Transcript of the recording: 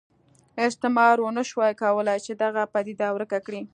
استعمار ونه شوای کولای چې دغه پدیده ورکه کړي.